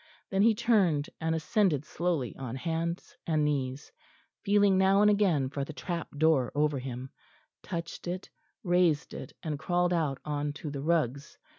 Then he turned and ascended slowly on hands and knees, feeling now and again for the trap door over him touched it raised it, and crawled out on to the rugs.